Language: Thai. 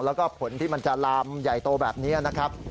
แล้วก็ผลที่มันจะลามใหญ่โตแบบนี้นะครับ